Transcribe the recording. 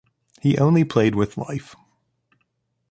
He only played with life.